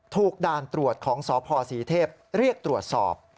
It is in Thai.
ด่านตรวจของสพศรีเทพเรียกตรวจสอบ